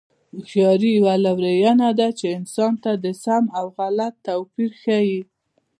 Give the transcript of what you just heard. هوښیاري یوه لورینه ده چې انسان ته د سم او غلط توپیر ښيي.